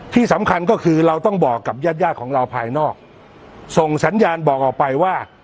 ที่สำคัญก็คือเราต้องบอกกับญาติญาติของเราภายนอกส่งสัญญาณบอกออกไปว่า